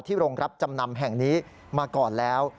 โรงรับจำนำแห่งนี้มาก่อนแล้ว